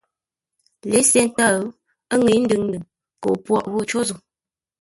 Lěsé ńtə́ʉ ńŋə́i ndʉŋ-ndʉŋ ko gho pwôghʼ ghô cǒ zə̂u.